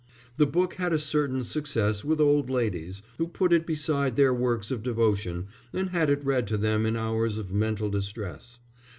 The book had a certain success with old ladies, who put it beside their works of devotion and had it read to them in hours of mental distress.